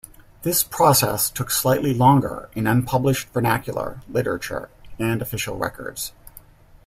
This process took slightly longer in unpublished vernacular literature and official records.